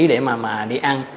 bỏ vị trí để mà đi ăn